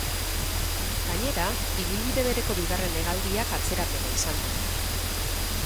Gainera, ibilbide bereko bigarren hegaldiak atzerapena izan du.